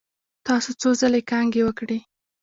تاسو څو ځلې کانګې وکړې؟